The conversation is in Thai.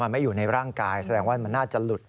มันไม่อยู่ในร่างกายแสดงว่ามันน่าจะหลุด